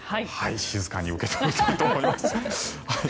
静かに受け止めたいと思います。